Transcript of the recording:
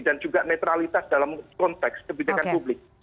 dan juga netralitas dalam konteks kebijakan publik